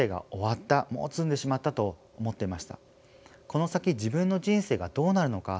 この先自分の人生がどうなるのか